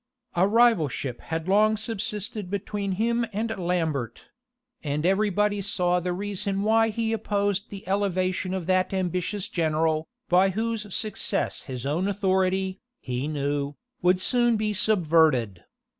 A rivalship had long subsisted between him and Lambert; and every body saw the reason why he opposed the elevation of that ambitious general, by whose success his own authority, he knew, would soon be subverted.